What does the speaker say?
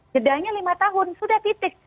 jedanya lima tahun sudah titik